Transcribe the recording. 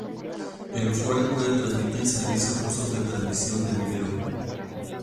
El usuario puede transmitir servicios rusos de transmisión de video.